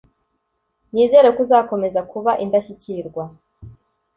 Nizere ko uzakomeza kuba indashyikirwa.